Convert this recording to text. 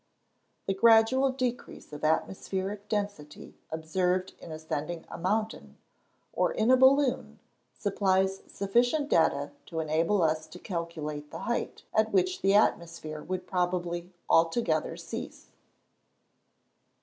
The gradual decrease of atmospheric density observed in ascending a mountain, or in a balloon, supplies sufficient data to enable us to calculate the height at which the atmosphere would probably altogether cease.